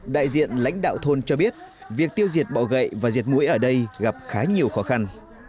đại diện lãnh đạo thôn cho biết việc tiêu diệt bọ gậy và diệt mũi ở đây gặp khá nhiều khó khăn